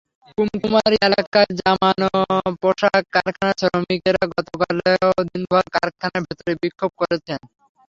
কুমকুমারী এলাকার জামানা পোশাক কারখানার শ্রমিকেরা গতকালও দিনভর কারখানার ভেতরে বিক্ষোভ করেছেন।